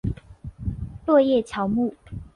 落叶乔木。